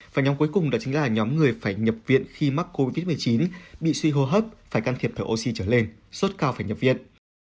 và nhóm cuối cùng đó chính là nhóm người phải nhập viện khi mắc covid một mươi chín bị suy hô hấp phải can thiệp thở oxy trở lên sốt cao phải nhập viện